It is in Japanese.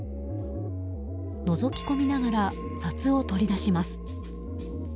のぞき込みながら札を取り出します。